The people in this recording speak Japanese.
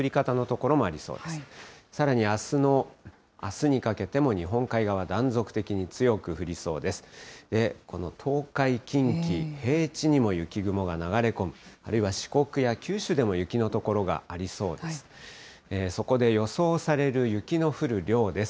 この東海、近畿、平地にも雪雲が流れ込む、あるいは四国や九州でも雪の所がありそうです。